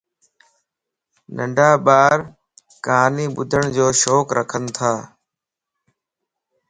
ننڍا ٻارَ ڪھاني ٻُڌڙ جو شوق رکنتا